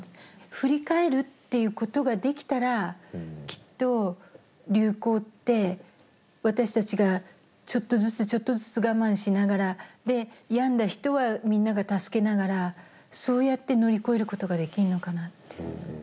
振り返るっていうことができたらきっと流行って私たちがちょっとずつちょっとずつ我慢しながらで病んだ人はみんなが助けながらそうやって乗り越えることができるのかなって。